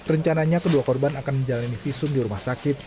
rencananya kedua korban akan menjalani visum di rumah sakit